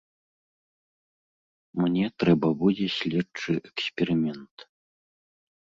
Мне трэба будзе следчы эксперымент.